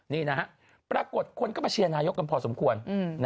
นี่นะฮะปรากฏคนก็มาเชียร์นายกกันพอสมควร